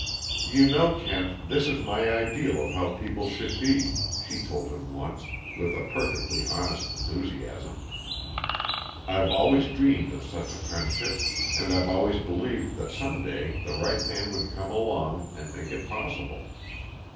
"You know, Kent, this is my ideal of how people should be," she told him once, with a perfectly honest enthusiasm. "I've always dreamed of such a friendship, and I've always believed that some day the right man would come along and make it possible.